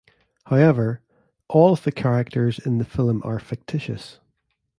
However, all of the characters in the film are fictitious.